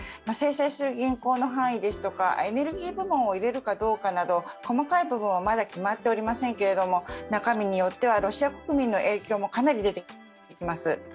制裁する銀行の範囲ですとか、エネルギー部門を入れるかどうかなど細かい部分はまだ決まっておりませんけれども中身によってはロシア国民への影響もかなり出てきます。